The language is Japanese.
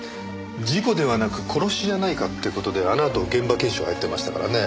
事故ではなく殺しじゃないかって事であのあと現場検証入ってましたからね。